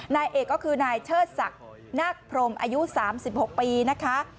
นายเอกก็คือนายเชิดศักดิ์นักพรมอายุสามสิบหกปีนะคะ